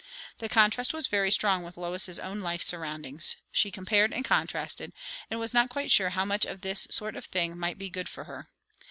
The contrast was very strong with Lois's own life surroundings; she compared and contrasted, and was not quite sure how much of this sort of thing might be good for her.